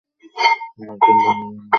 মহাযান বৌদ্ধধর্ম থেকে এই ধারণা নেওয়া হয়েছে।